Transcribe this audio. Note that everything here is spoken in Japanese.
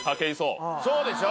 そうでしょ？